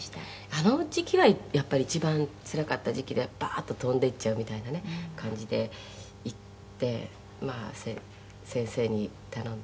「あの時期はやっぱり一番つらかった時期でバーッと飛んでいっちゃうみたいな感じで行ってまあ先生に頼んで」